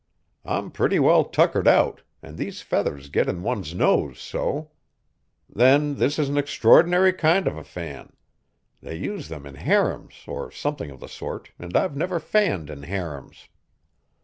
I'm pretty well tuckered out, and these feathers get in one's nose so. Then this is an extraordinary kind of a fan they use them in harems or something of the sort, and I've never fanned in harems."